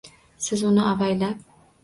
Siz uni avaylab